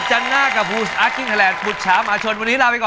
หนูขอหยุดดีกว่าค่ะ